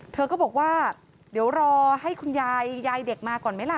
เธอก็บอกว่าเดี๋ยวรอให้คุณยายยายเด็กมาก่อนไหมล่ะ